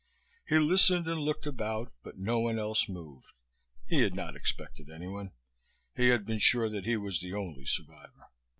He listened and looked about, but no one else moved. He had not expected anyone. He had been sure that he was the only survivor.